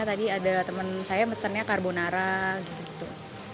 tadi ada teman saya mesennya karbonara gitu gitu